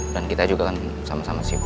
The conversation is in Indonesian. dan kita juga kan sama sama sibuk